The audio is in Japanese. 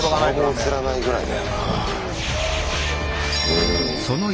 顔も映らないぐらいだよな。